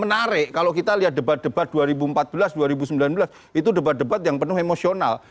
menarik kalau kita lihat debat debat dua ribu empat belas dua ribu sembilan belas itu debat debat yang penuh emosional